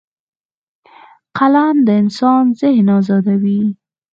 قلم د انسان ذهن ازادوي